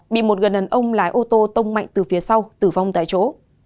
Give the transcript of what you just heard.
bị một người đàn ông lái ô tô tông mạnh từ phía sau tử vong tại chỗ